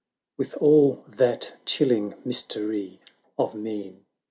360 XIX. With all that chilling mystery of mien.